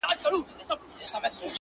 د رنځورو زګېروي ځي له ربابونو٫